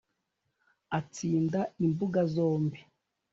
atsinda imbuga zombi